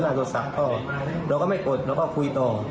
โทรศัพท์ต่อเราก็ไม่กดเราก็คุยต่อ